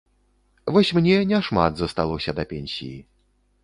Вось мне няшмат засталося да пенсіі.